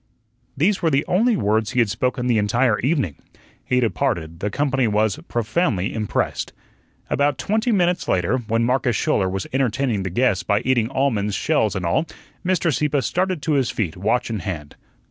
These were the only words he had spoken the entire evening. He departed; the company was profoundly impressed. About twenty minutes later, when Marcus Schouler was entertaining the guests by eating almonds, shells and all, Mr. Sieppe started to his feet, watch in hand.